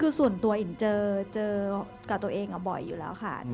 คือส่วนตัวอินเจอกับตัวเองบ่อยอยู่แล้วค่ะ